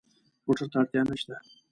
موټر ته اړتیا نه شته.